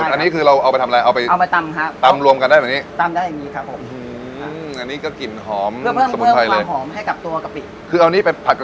อันนี้เป็นกะปิตาแดงอันนี้มาจากใต้จะใช้เป็นเป็นเคย